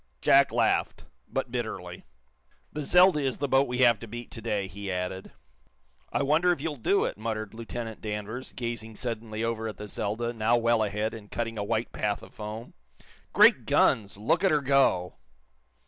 Jack laughed, but bitterly. "The 'Zelda' is the boat we have to beat today," he added. "I wonder if you'll do it?" muttered Lieutenant Danvers, gazing suddenly over at the "Zelda," now well ahead and cutting a white path of foam. "Great guns, look at her go!"